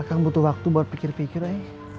akang butuh waktu buat pikir pikir aja